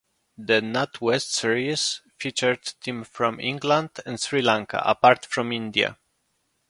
The NatWest Series featured teams from England and Sri Lanka, apart from India.